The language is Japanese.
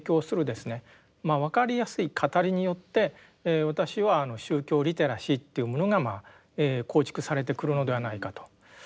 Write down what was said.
まあ分かりやすい語りによって私は宗教リテラシーというものが構築されてくるのではないかと。